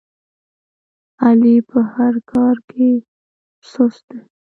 علي په هر کار کې سست دی.